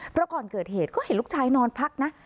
เพราะก่อนเกิดเหตุก็เห็นลูกชายนอนพักนะ